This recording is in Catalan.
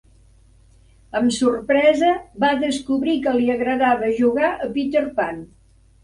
Amb sorpresa, va descobrir que li agradava jugar a Peter Pan.